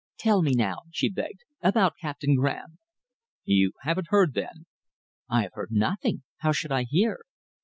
"Tell me now," she begged, "about Captain Graham?" "You haven't heard, then?" "I have heard nothing. How should I hear?"